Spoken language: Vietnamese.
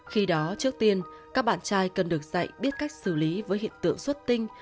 khi đó trước tiên các bạn trai cần được dạy biết cách xử lý với hiện tượng xuất tinh